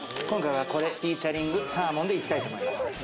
今回はこれｆｅａｔ．サーモンでいきたいと思います。